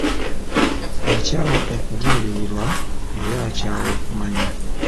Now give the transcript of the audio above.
Akyawa okubuulirirwa era akyawa okumanya.